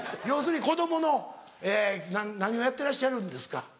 要するに子供の何をやってらっしゃるんですか？